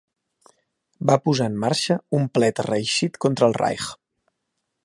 Va posar en marxa un plet reeixit contra el Reich.